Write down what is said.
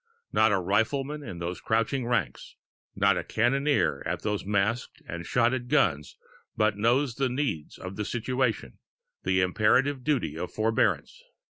Not a rifleman in those crouching ranks, not a cannoneer at those masked and shotted guns, but knows the needs of the situation, the imperative duty of forbearance.